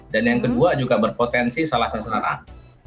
dan yang kedua juga berpotensi salah seseorang